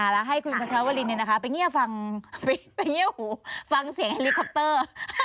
แล้วให้คุณพัชลาวรินไปเงี้ยหูฟังเสียงไฮริคอปเตอร์